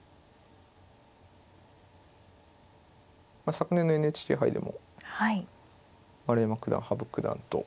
昨年のＮＨＫ杯でも丸山九段羽生九段と。